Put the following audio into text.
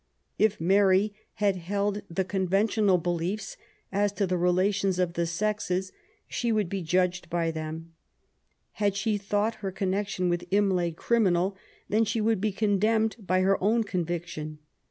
If Mary had held the conventional beliefs as to the relations of the sexes^ she would be judged by them. Had she thought her connection with Imlay criminal^ then she would be condemned by her own conviction.